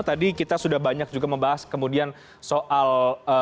tadi kita sudah banyak juga membahas kemudian soal